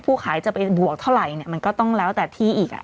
ขายจะไปบวกเท่าไหร่มันก็ต้องแล้วแต่ที่อีก